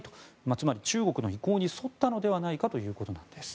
つまり中国の意向に沿ったのではということなんです。